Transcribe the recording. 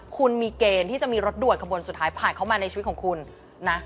คุณมีเกณฑ์ที่จะมีรถด่วนขบวนสุดท้ายผ่านเข้ามาในชีวิตของคุณนะ